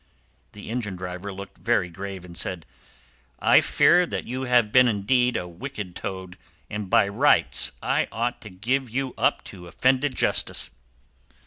The engine driver looked very grave and said, "I fear that you have been indeed a wicked toad, and by rights I ought to give you up to offended justice.